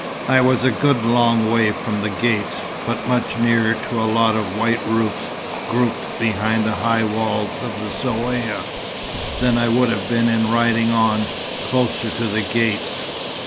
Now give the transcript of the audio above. I was a good long way from the gates; but much nearer to a lot of white roofs grouped behind the high wall of the Zaouïa, than I would have been in riding on, closer to the gates.